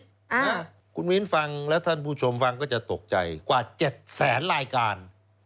คุณผู้มีนฟังและท่านผู้ชมฟังก็จะตกใจกว่า๗แสนรายการ